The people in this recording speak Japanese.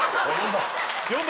４番！